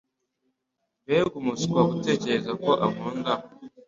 Mbega umuswa gutekereza ko ankunda!